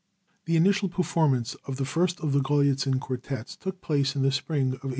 The initial performance of the first of the Galitzin Quartets took place in the spring of 1825.